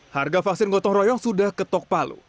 harga vaksin gotong royong sudah ketok palu